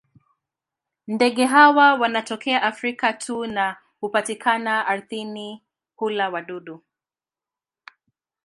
Ndege hawa wanatokea Afrika tu na hupatikana ardhini; hula wadudu.